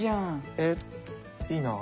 えっいいなあ。